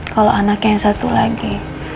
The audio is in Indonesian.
kalau anaknya yang satu lagi